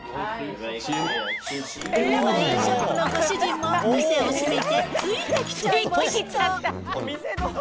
ワインショップのご主人も、店を閉めてついてきちゃいました。